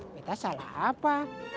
kita salah apa